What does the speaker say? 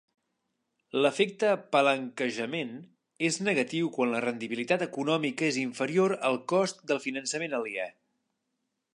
L'efecte palanquejament és negatiu quan la rendibilitat econòmica és inferior al cost del finançament aliè.